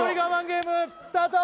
ゲームスタート